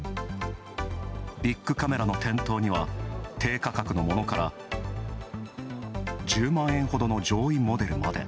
ビックカメラの店頭には、低価格のものから１０万円ほどの上位モデルまで。